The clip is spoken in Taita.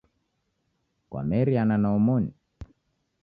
Kwameriana na omoni?.